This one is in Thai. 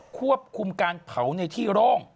ควบคุมการเผาในที่โร่ง